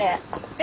え？